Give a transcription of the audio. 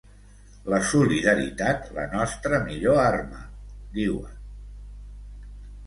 La solidaritat, la nostra millor arma!, diuen.